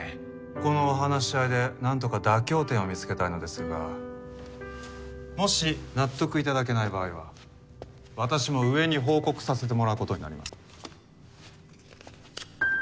このお話し合いでなんとか妥協点を見つけたいのですがもし納得頂けない場合は私も上に報告させてもらう事になります。